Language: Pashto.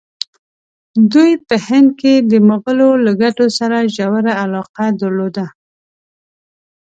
دوی په هند کې د مغولو له ګټو سره ژوره علاقه درلوده.